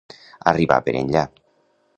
Arribar per enllà.